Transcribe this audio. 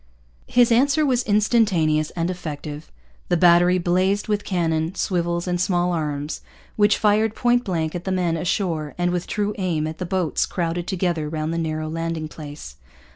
His answer was instantaneous and effective. The battery 'blazed with cannon, swivels, and small arms,' which fired point blank at the men ashore and with true aim at the boats crowded together round the narrow landing place.